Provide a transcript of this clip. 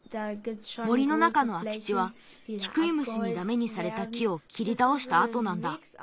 森の中のあきちはキクイムシにダメにされた木をきりたおしたあとなんだ。